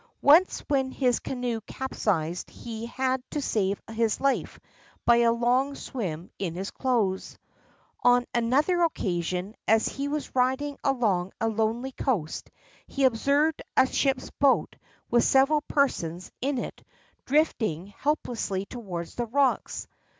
Once when his canoe capsized he had to save his life by a long swim in his clothes. On another occasion, as he was riding along a lonely coast, he observed a ship's boat with several persons in it drifting 526 FATHER DAMIEN helplessly towards the rocks.